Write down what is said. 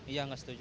iya nggak setuju